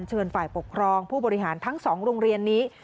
เชิญฝ่ายปกครองผู้บริหารทั้ง๒โรงเรียนนี้